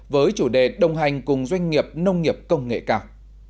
với chủ đề đồng hành cùng doanh nghiệp nông nghiệp công nghệ cao